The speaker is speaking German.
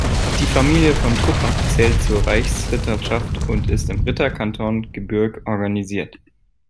Die Familie von Truppach zählt zur Reichsritterschaft und ist im Ritterkanton Gebürg organisiert.